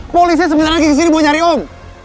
polisnya sebenarnya lagi kesini mau nyari om